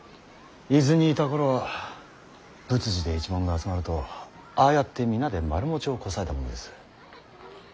伊豆にいた頃は仏事で一門が集まるとああやって皆で丸餅をこさえたものです。